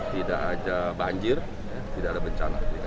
tidak ada banjir tidak ada bencana